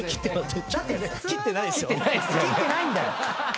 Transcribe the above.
切ってないんだよ。